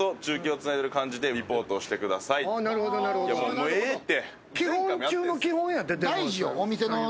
もうええって。